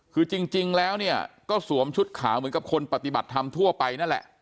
คือจริงแล้วเนี่ยก็สวมชุดขาวเหมือนกับคนปฏิบัติธรรมทั่วไปนั่นแหละ